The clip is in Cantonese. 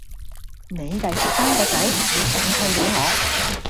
你第時生個仔要上契畀我